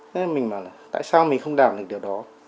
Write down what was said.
nên mình bảo là tại sao mình không đảm được điều đó